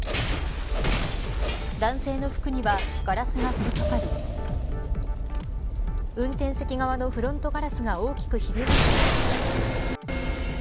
男性の服にはガラスが降りかかり運転席側のフロントガラスが大きくひび割れていました。